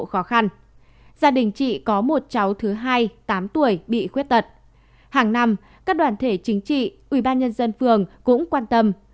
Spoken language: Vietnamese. hàng năm các đoàn thể chính trị ubnd phường cũng quan tâm